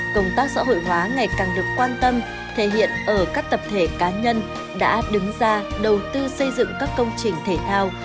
công tác xã hội hóa ngày càng được quan tâm thể hiện ở các tập thể cá nhân đã đứng ra đầu tư xây dựng các công trình thể thao